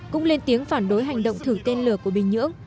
cũng lên tiếng phản đối hành động thử tên lửa của bình nhưỡng